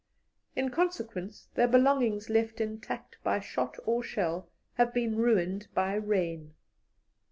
In consequence, their belongings left intact by shot or shell have been ruined by rain.